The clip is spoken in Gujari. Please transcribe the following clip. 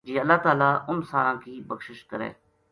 جے اللہ تعالیٰ اُنھ ساراں کی بخشش کرے